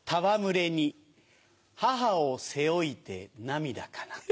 戯れに母を背負いて涙かな。